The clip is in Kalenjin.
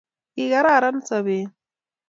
kikarana sobet